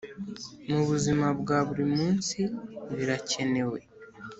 mu buzima bwa buri munsi birakenewe